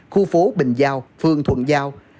khu phố bình giao phường thuận giao